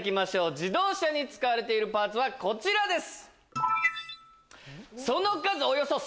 自動車に使われているパーツはこちらです！